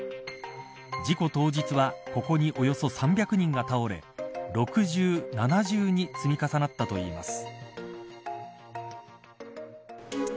事故当日はここに、およそ３００人が倒れ六重、七重に重なったといいます。